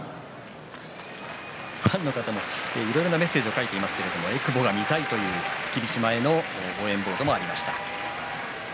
ファンの方もいろいろなメッセージを書いていますけれどえくぼが見たいという霧島への応援メッセージもありました。